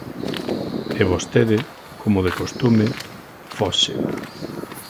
E vostede, como de costume, foxe.